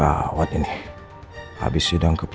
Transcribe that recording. naturale ini harus jadi juga seperti kuning matahari